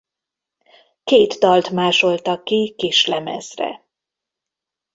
Két dalt másoltak ki kislemezre.